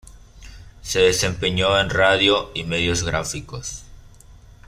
Se desempeñó en radio y medios gráficos.